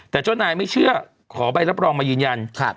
แต่เจ้านายไม่เชื่อขอใบรับรองมายืนยัน